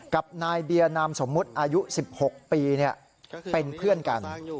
กับนายเบียร์นามสมมุติอายุ๑๖ปีเป็นเพื่อนกัน